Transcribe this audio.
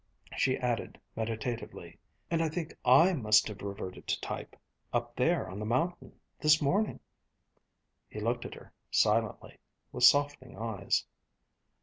She added meditatively, "And I think I must have reverted to type up there on the mountain, this morning." He looked at her silently, with softening eyes.